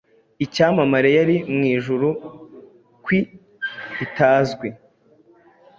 Icyamamare yari mwijuru, kwii itazwi